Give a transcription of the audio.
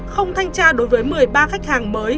không thanh tra đối với một mươi ba khách hàng mới